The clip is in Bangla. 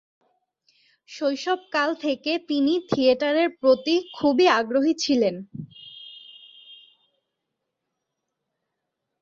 শৈশবকাল থেকে তিনি থিয়েটারের প্রতি খুবই আগ্রহী ছিলেন।